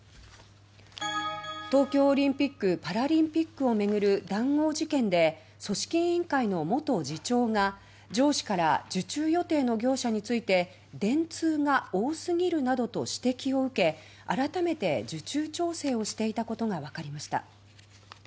東京オリンピック・パラリンピックを巡る談合事件で組織委員会の元次長が上司から受注予定の業者について「電通が多すぎる」などと指摘を受け改めて受注調整をしていたことがわかりました。